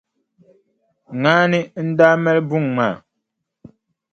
Ŋaani n-daa mali buŋa maa.